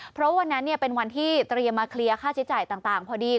เพราะวันนั้นเป็นวันที่เตรียมมาเคลียร์ค่าใช้จ่ายต่างพอดี